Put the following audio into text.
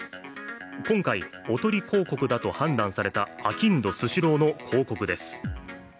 今回、おとり広告だと判断されたあきんどスシローの広告です。